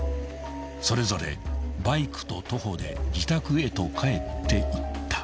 ［それぞれバイクと徒歩で自宅へと帰っていった］